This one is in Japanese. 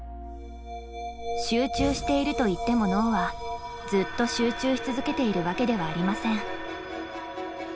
集中しているといっても脳はずっと集中し続けているわけではありません。